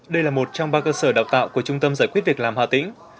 đây là một trong ba cơ sở đào tạo của trung tâm giải quyết việc làm hà tĩnh